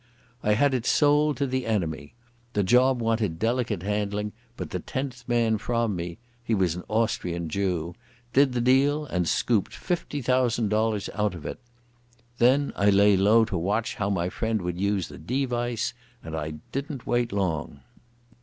I had it sold to the enemy. The job wanted delicate handling, but the tenth man from me—he was an Austrian Jew—did the deal and scooped fifty thousand dollars out of it. Then I lay low to watch how my friend would use the de vice, and I didn't wait long."